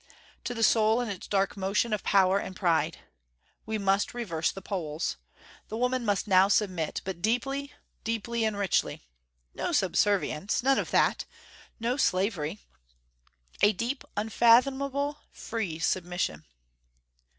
To the soul in its dark motion of power and pride. We must reverse the poles. The woman must now submit but deeply, deeply, and richly! No subservience. None of that. No slavery. A deep, unfathomable free submission."